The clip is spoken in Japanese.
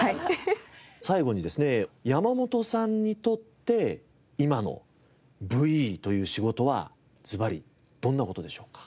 最後にですね山本さんにとって今のＶＥという仕事はずばりどんな事でしょうか？